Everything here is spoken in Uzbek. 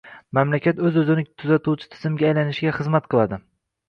mamlakat o‘z-o‘zini tuzatuvchi tizimga aylanishiga hizmat qiladi